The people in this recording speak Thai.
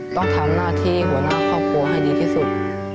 ต้องทำหน้าที่หัวหน้าครอบครัวให้ดีที่สุด